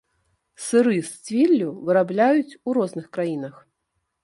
Сыры з цвіллю вырабляюць у розных краінах.